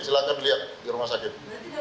silahkan lihat di rumah sakit